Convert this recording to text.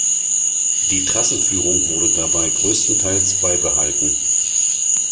Die Trassenführung wurde dabei größtenteils beibehalten.